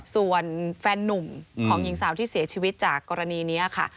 ส่วนแฟนนุ่มของหญิงสาวที่เสียชีวิตจากกรณีนี้ค่ะ